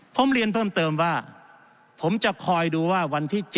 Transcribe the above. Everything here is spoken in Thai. ผมเรียนเพิ่มเติมว่าผมจะคอยดูว่าวันที่๗